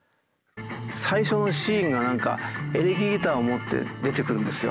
最初のシーンが何かエレキギターを持って出てくるんですよ。